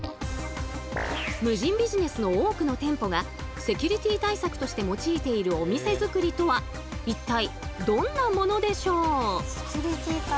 無人ビジネスの多くの店舗がセキュリティー対策として用いているお店づくりとは一体どんなものでしょう？